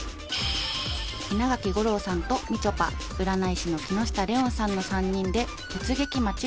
［稲垣吾郎さんとみちょぱ占い師の木下レオンさんの３人で］